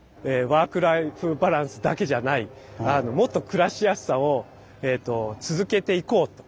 ワーク・ライフ・バランスだけじゃないもっと暮らしやすさを続けていこうと。